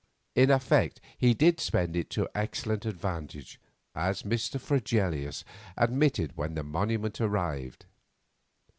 In effect he did spend it to excellent advantage, as Mr. Fregelius admitted when the monument arrived.